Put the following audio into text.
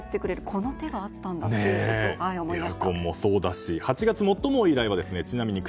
この手があったんだって思いました。